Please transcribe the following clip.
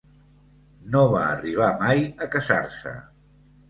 No va arribar mai a casar-se.